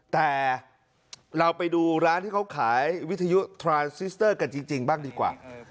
แต่เราไปดูร้านที่เขาขายวิทยุทรานซิสเตอร์กันจริงบ้างดีกว่า